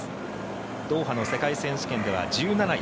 ドーハの世界選手権では１７位。